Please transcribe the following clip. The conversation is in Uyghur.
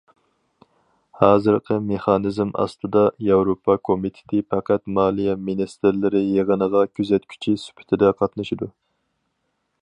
ھازىرقى مېخانىزم ئاستىدا، ياۋروپا كومىتېتى پەقەت مالىيە مىنىستىرلىرى يىغىنىغا كۆزەتكۈچى سۈپىتىدە قاتنىشىدۇ.